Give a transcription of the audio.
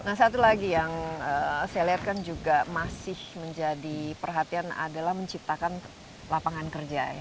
nah satu lagi yang saya lihat kan juga masih menjadi perhatian adalah menciptakan lapangan kerja